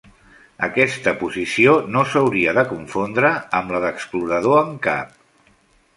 Aquesta posició no s'hauria de confondre amb la de "Explorador en Cap".